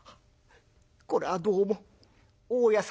「これはどうも大家さんで。